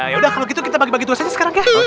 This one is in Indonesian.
ya udah kalau gitu kita bagi bagi tugas aja sekarang ya